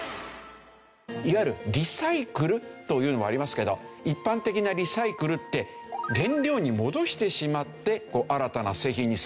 いわゆるリサイクルというのもありますけど一般的なリサイクルって原料に戻してしまって新たな製品にするわけですよね。